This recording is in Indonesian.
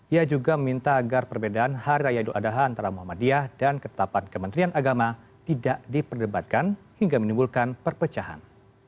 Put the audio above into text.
ia juga meminta agar perbedaan hari raya idul adha antara muhammadiyah dan ketapan kementerian agama tidak diperdebatkan hingga menimbulkan perpecahan